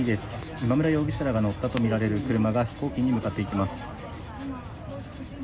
今村容疑者らが乗ったとみられる車が飛行機に向かっていきます。